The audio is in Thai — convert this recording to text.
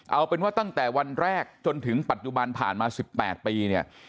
เอาเป็นว่าตั้งแต่วันแรกจนถึงปัจจุบันผ่านมา๑๘ปีเนี่ย